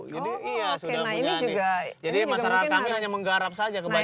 jadi masyarakat kami hanya menggarap saja kebanyakan